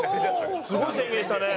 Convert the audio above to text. すごい宣言したね。